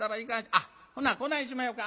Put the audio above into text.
あっほなこないしまひょか。